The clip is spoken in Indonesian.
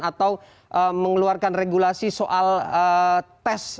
atau mengeluarkan regulasi soal tes